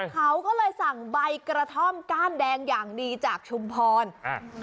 เขาก็เลยสั่งใบกระท่อมก้านแดงอย่างดีจากชุมพรอ่า